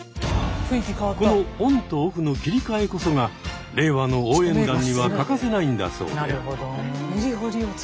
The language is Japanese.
このオンとオフの切り替えこそが令和の応援団には欠かせないんだそうで。